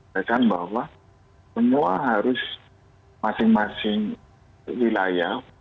saya sangka bahwa semua harus masing masing wilayah